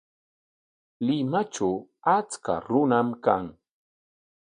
Limatraw achka runam kan.